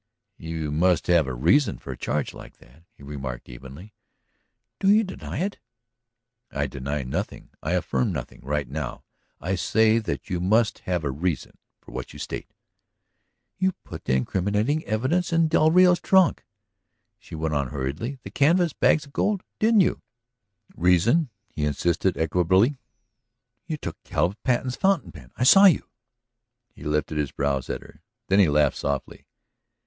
"You must have a reason for a charge like that," he remarked evenly. "Do you deny it?" "I deny nothing, I affirm nothing right now. I say that you must have a reason for what you state." "You put the incriminating evidence in del Rio's trunk," she ran on hurriedly. "The canvas bags of gold. Didn't you?" "Reason?" he insisted equably. "You took Caleb Patten's fountain pen! I saw you." He lifted his brows at her. Then he laughed softly.